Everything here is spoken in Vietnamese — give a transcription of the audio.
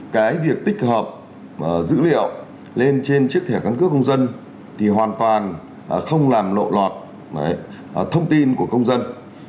cái việc tích hợp dữ liệu lên trên chiếc thẻ căn cước công dân thì hoàn toàn không làm lộ lọt thông tin của công dân